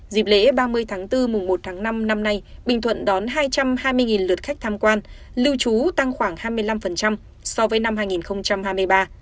dịp lễ ba mươi tháng bốn mùng một tháng năm năm nay bình thuận đón hai trăm hai mươi lượt khách tham quan lưu trú tăng khoảng hai mươi năm so với năm hai nghìn hai mươi ba